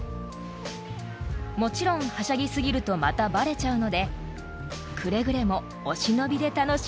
［もちろんはしゃぎ過ぎるとまたバレちゃうのでくれぐれもお忍びで楽しんでください］